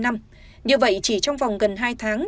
như vậy chỉ trong vòng gần hai tháng